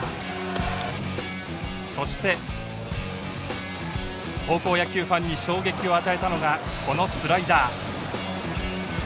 そして高校野球ファンに衝撃を与えたのがこのスライダー。